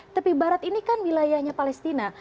tepi barat ini kan wilayahnya palestina